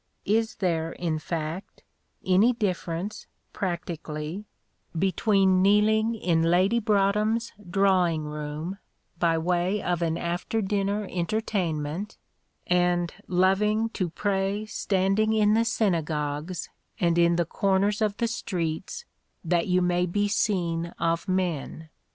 Is there, in fact, any difference, practically, between kneeling in Lady Broadhem's drawing room, by way of an after dinner entertainment, and loving "to pray standing in the synagogues, and in the corners of the streets, that you may be seen of men"?